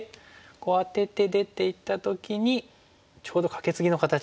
アテて出ていった時にちょうどカケツギの形になってる。